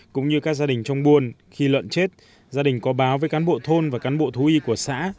cũng như các gia đình trong buôn khi lợn chết gia đình có báo với cán bộ thôn và cán bộ thú y của xã